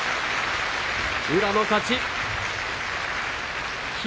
宇良の勝ちです。